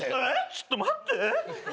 ちょっと待って？